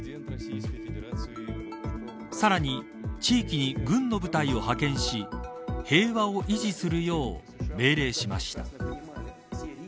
さらに地域に軍の部隊を派遣し平和を維持するよう命令しました。